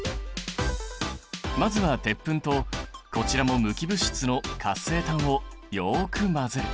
まずは鉄粉とこちらも無機物質の活性炭をよく混ぜる。